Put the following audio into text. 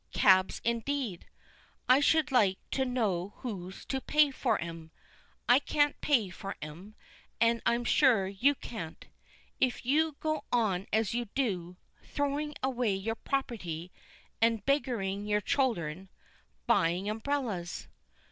Cabs, indeed! I should like to know who's to pay for 'em; I can't pay for 'em; and I'm sure you can't, if you go on as you do; throwing away your property, and beggaring your children buying umbrellas!